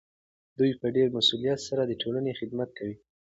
دوی په ډیر مسؤلیت سره د ټولنې خدمت کوي.